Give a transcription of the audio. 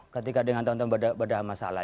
ketika dengan teman teman berada masalah